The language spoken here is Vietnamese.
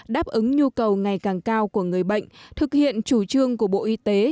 đáp ứng nhu cầu ngày càng cao của người bệnh thực hiện chủ trương của bộ y tế